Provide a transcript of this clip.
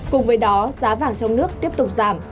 cùng với đó giá vàng trong nước tiếp tục giảm